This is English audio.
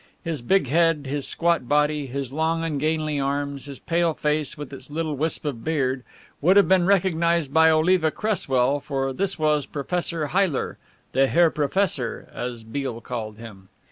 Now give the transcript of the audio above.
His big head, his squat body, his long ungainly arms, his pale face with its little wisp of beard, would have been recognized by Oliva Cresswell, for this was Professor Heyler "the Herr Professor," as Beale called him.